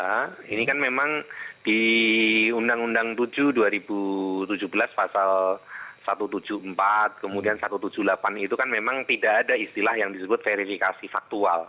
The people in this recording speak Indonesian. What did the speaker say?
karena ini kan memang di undang undang tujuh dua ribu tujuh belas pasal satu ratus tujuh puluh empat kemudian satu ratus tujuh puluh delapan itu kan memang tidak ada istilah yang disebut verifikasi faktual